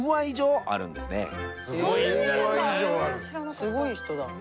すごい人だ。